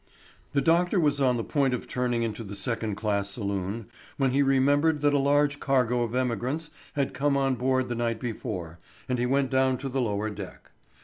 The doctor was on the point of turning into the second class saloon, when he remembered that a large cargo of emigrants had come on board the night before, and he went down to the lower deck.